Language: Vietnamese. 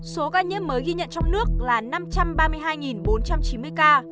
số ca nhiễm mới ghi nhận trong nước là năm trăm ba mươi hai bốn trăm chín mươi ca